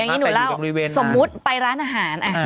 อย่างนี้หนูเล่าสมมุติไปร้านอาหาร